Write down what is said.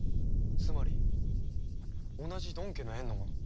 つまり同じドン家の縁の者。